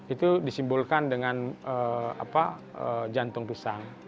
itu disimbolkan dengan jantung pisang